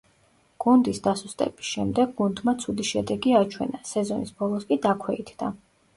გუნდის დასუსტების შემდეგ, გუნდმა ცუდი შედეგი აჩვენა, სეზონის ბოლოს კი დაქვეითდა.